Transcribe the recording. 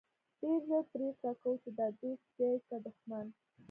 ډېر ژر پرېکړه کوو چې دا دوست دی که دښمن.